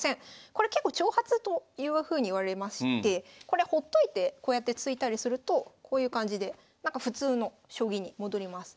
これ結構挑発というふうにいわれましてこれほっといてこうやって突いたりするとこういう感じで普通の将棋に戻ります。